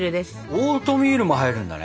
オートミールも入るんだね。